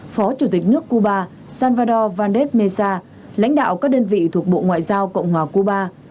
phó chủ tịch nước cuba salvador valdes mesa lãnh đạo các đơn vị thuộc bộ ngoại giao cộng hòa cuba